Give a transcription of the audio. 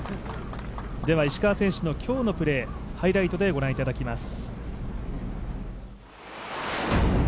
石川選手の今日のプレーハイライトでご覧いただきます。